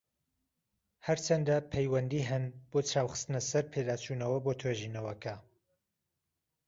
هەرچەندە، پەیوەندی هەن بۆ چاو خستنە سەر پێداچونەوە بۆ توێژینەوەکە.